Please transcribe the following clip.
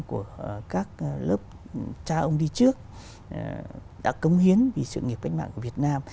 của các lớp cha ông đi trước đã cống hiến vì sự nghiệp cách mạng của việt nam